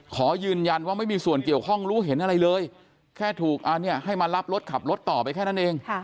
ขอยืนยันว่าไม่มีส่วนเกี่ยวข้องรู้เห็นอะไรเลยแค่ถูกอันนี้ให้มารับรถขับรถต่อไปแค่นั้นเอง